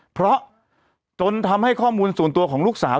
เพราะจนทำให้ข้อมูลส่วนตัวของลูกสาว